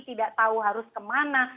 tidak tahu harus kemana